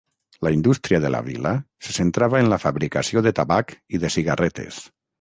La indústria de la vila se centrava en la fabricació de tabac i de cigarretes.